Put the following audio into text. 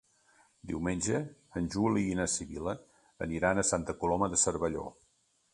Diumenge en Juli i na Sibil·la aniran a Santa Coloma de Cervelló.